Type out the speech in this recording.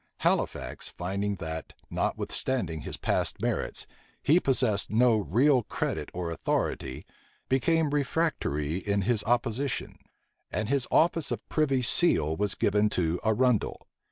Halifax, finding that, notwithstanding his past merits, he possessed no real credit or authority, became refractory in his opposition; and his office of privy seal was given to Arundel.